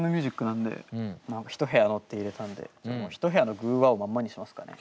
なんで「一部屋の」って入れたんで「一部屋の寓話」をまんまにしますかね。